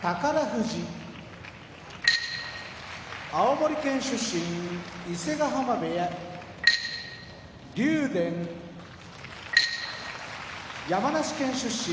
富士青森県出身伊勢ヶ濱部屋竜電山梨県出身